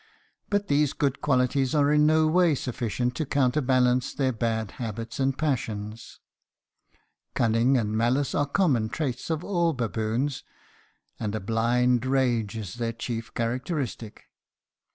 "But these good qualities are in no way sufficient to counterbalance their bad habits and passions. Cunning and malice are common traits of all baboons, and a blind rage is their chief characteristic.